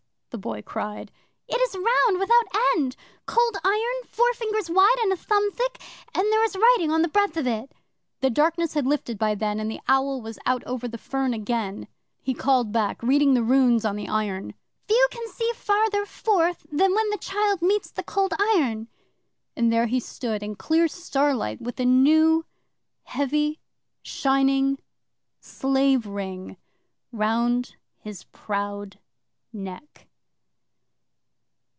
the Boy called. "It is round, without end, Cold Iron, four fingers wide and a thumb thick, and there is writing on the breadth of it." '"Read the writing if you have the learning," I called. The darkness had lifted by then, and the owl was out over the fern again. 'He called back, reading the runes on the iron: "Few can see Further forth Than when the child Meets the Cold Iron." And there he stood, in clear starlight, with a new, heavy, shining slave ring round his proud neck.